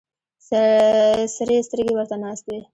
سرې سترګې ورته ناست وي.